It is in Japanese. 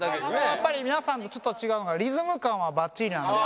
やっぱり皆さんとちょっと違うのがリズム感はばっちりなんで。